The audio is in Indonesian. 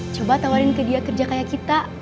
coba tawarin ke dia kerja kayak kita